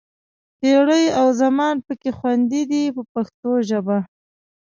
پېړۍ او زمان پکې خوندي دي په پښتو ژبه.